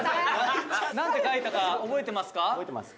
「なんて書いたか覚えてますか？」